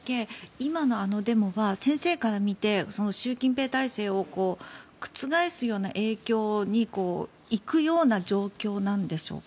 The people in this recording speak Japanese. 今のデモは先生から見て習近平体制を覆すような影響に行くような状況なんでしょうか。